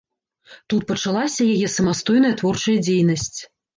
Тут пачалася яе самастойная творчая дзейнасць.